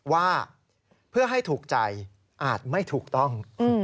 ว่าเพื่อให้ถูกใจอาจไม่ถูกต้อง